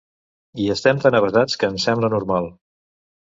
Hi estem tan avesats, que ens sembla normal.